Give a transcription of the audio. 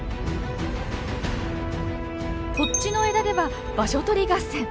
こっちの枝では場所取り合戦。